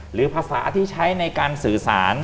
หรือภาษาที่ใช้ในการสื่อสาร